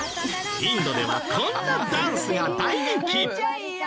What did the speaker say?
インドではこんなダンスが大人気！